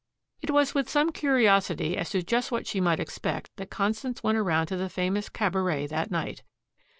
It was with some curiosity as to just what she might expect that Constance went around to the famous cabaret that night.